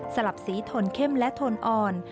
ลับสีโทนเข้มและโทนอ่อน